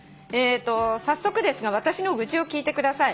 「早速ですが私の愚痴を聞いてください」